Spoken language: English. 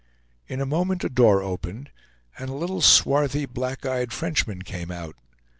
In a moment a door opened, and a little, swarthy black eyed Frenchman came out.